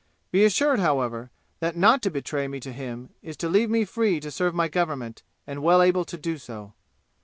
"Be assured, however, that not to betray me to him is to leave me free to serve my government and well able to do so.